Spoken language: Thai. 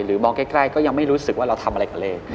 มองใกล้ก็ยังไม่รู้สึกว่าเราทำอะไรกับเลข